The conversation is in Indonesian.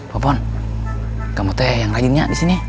popon kamu tuh yang rajinnya di sini